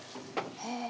へえ。